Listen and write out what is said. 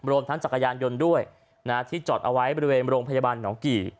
รวมทั้งจักรยานยนต์ด้วยที่จอดเอาไว้บริเวณโรงพยาบาลหนองกี่